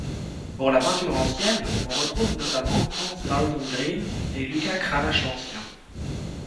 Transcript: Pour la peinture ancienne on retrouve notamment Hans Baldung Grien et Lucas Cranach l'Ancien.